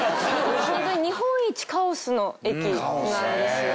本当に日本一カオスの駅なんですよ。